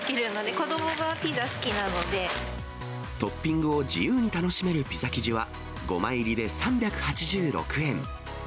子どもがピザ好きなのトッピングを自由に楽しめるピザ生地は、５枚入りで３８６円。